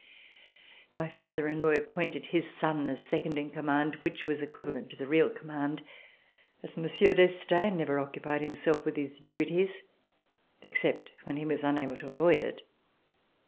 My father in law appointed his son as second in command, which was equivalent to the real com VERSAILLES INVADED BY THE MOB mand, as Monsieur d'Estaing never occupied himself with his duties except when he was unahle to avoid it.